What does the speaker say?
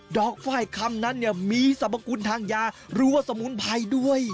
ไฟล์คำนั้นเนี่ยมีสรรพคุณทางยาหรือว่าสมุนไพรด้วย